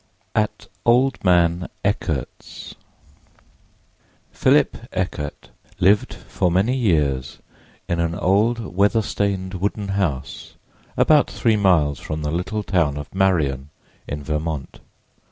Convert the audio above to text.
AT OLD MAN ECKERT'S PHILIP ECKERT lived for many years in an old, weather stained wooden house about three miles from the little town of Marion, in Vermont.